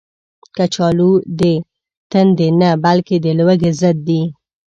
کچالو د تندې نه، بلکې د لوږې ضد دی